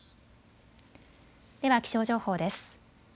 では気象情報です。